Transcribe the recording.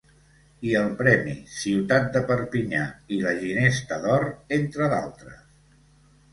I el Premi Ciutat de Perpinyà i la Ginesta d'Or, entre d'altres.